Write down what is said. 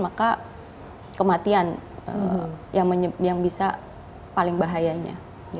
maka kematian yang bisa paling bahayanya